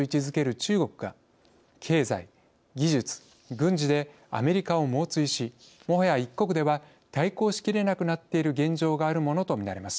中国が経済・技術・軍事でアメリカを猛追しもはや１国では対抗しきれなくなっている現状があるものとみられます。